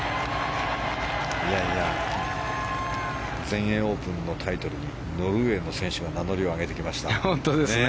全英オープンのタイトルにノルウェーの選手が名乗りを挙げてきました。